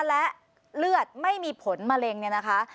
และเลือดไม่มีผลมะเร็งเนี่ยนะคะ